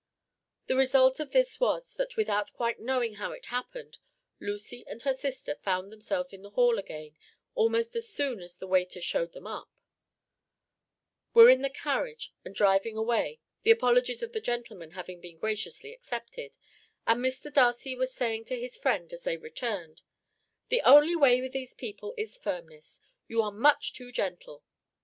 The result of this was, that without quite knowing how it happened, Lucy and her sister found themselves in the hall again almost as soon as the waiter showed them up; were in the carriage, and driving away, the apologies of the gentlemen having been graciously accepted, and Mr. Darcy was saying to his friend as they returned: "The only way with these people is firmness; you are much too gentle."